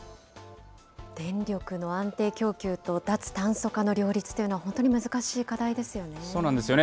電力の安定供給と脱炭素化の両立というのは本当に難しい課題そうなんですよね。